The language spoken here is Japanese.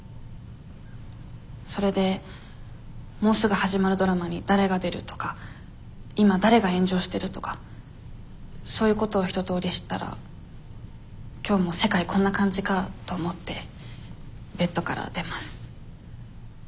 それでもうすぐ始まるドラマに誰が出るとか今誰が炎上してるとかそういうことを一とおり知ったら今日も世界こんな感じかと思ってベッドから出ます。